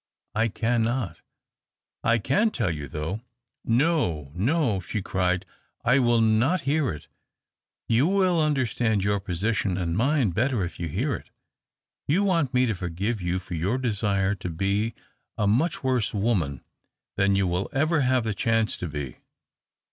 " I cannot." " I can tell you, though." " No ! no !" she cried, " I will not hear it." " You will understand your own position, and mine, better if you hear it. You want me to forgive you for your desire to be a much worse woman than you will ever have the chance to be.